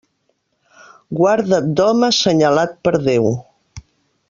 Guarda't d'home senyalat per Déu.